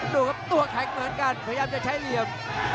ดูครับตัวแข็งเหมือนกันพยายามจะใช้เหลี่ยม